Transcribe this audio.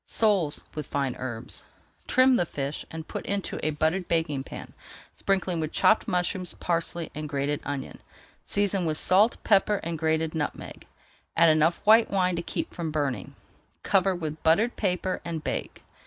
SOLES WITH FINE HERBS Trim the fish and put into a buttered baking pan, sprinkling with chopped mushrooms, parsley, and grated onion. Season with salt, pepper, and grated nutmeg, add enough white wine to keep from burning, cover with buttered paper, and bake.